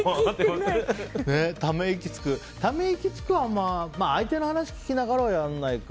ため息をつくはあんまり相手の話を聞きながらはやらないか。